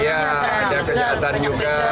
ya ada kejahatan juga